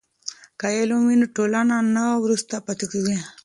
که علم وي نو ټولنه نه وروسته پاتې کیږي.